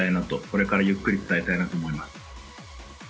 これからゆっくり伝えたいなと思います。